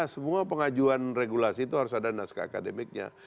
semua pengajuan regulasi itu harus ada naskah akademiknya